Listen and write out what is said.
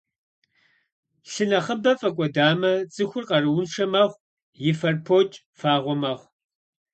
Лъы нэхъыбэ фӏэкӏуэдамэ, цӏыхур къарууншэ мэхъу, и фэр покӏ, фагъуэ мэхъу.